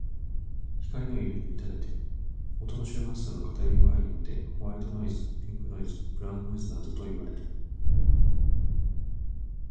光の色に見立てて、音の周波数の偏り具合によってホワイトノイズ、ピンクノイズ、ブラウンノイズなどといわれる。